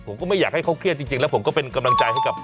ผมก็ไม่อยากให้เขาเครียดจริงแล้วผมก็เป็นกำลังใจให้กับ